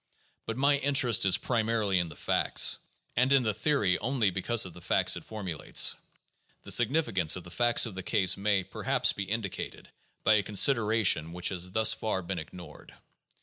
But my interest is primarily in the facts, and in the theory only because of the facts it formulates. The significance of the facts of the case may, perhaps, be indicated by a consideration which has thus far been ignored.